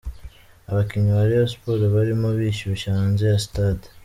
Abakinnyi ba Rayon Sports barimo bishyushya hanze ya Stade.